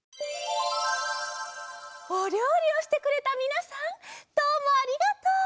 おりょうりをしてくれたみなさんどうもありがとう！